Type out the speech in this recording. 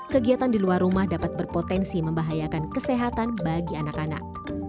kegiatan di luar rumah dapat berpotensi membahayakan kesehatan bagi anak anak